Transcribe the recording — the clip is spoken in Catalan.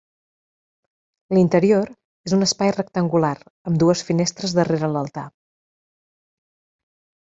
L'interior és un espai rectangular amb dues finestres darrere l'altar.